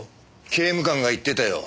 刑務官が言ってたよ。